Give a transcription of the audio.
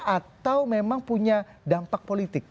atau memang punya dampak politik